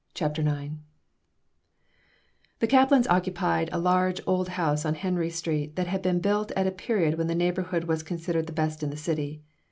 CHAPTER IX The Kaplans occupied a large, old house on Henry Street that had been built at a period when the neighborhood was considered the best in the city.